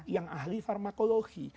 yang ahli farmakologi